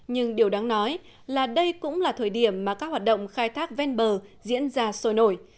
nhưng điều đáng nói là đây cũng là thời điểm mà các hoạt động khai thác ven bờ diễn ra sôi nổi